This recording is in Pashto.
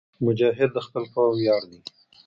مجاهد د خپل قوم ویاړ دی.